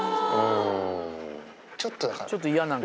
ちょっとだから。